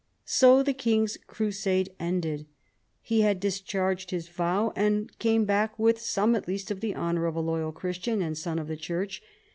So the king's crusade ended. He had discharged his vow, and came back with some at least of the honour of a loyal Christian and son of the Church.